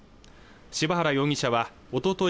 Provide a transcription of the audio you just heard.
柴原容疑者はおととい